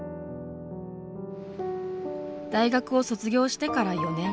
大学を卒業してから４年。